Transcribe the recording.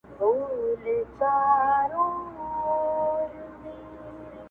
خو اصلي درد يې هېڅکله په بشپړ ډول نه هېرېږي,